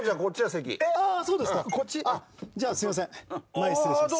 前失礼します。